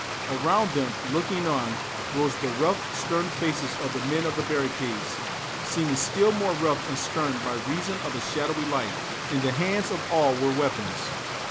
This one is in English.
Around them, looking on, rose the rough, stern faces of the men of the barricades, seeming still more rough and stern by reason of the shadowy light; in the hands of all were weapons.